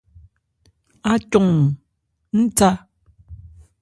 Ácɔn-ɔn, ń tha.